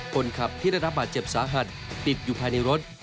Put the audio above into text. คนขับที่ได้รับบาดเจ็บสาหัสติดอยู่ภายในรถ